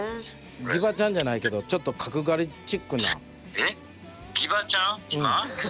ギバちゃんじゃないけどちょっと角刈りチックな。